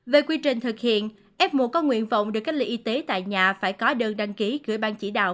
về quy trình thực hiện f một có nguyện vọng được cách ly y tế tại nhà phải có đơn đăng ký gửi ban chỉ đạo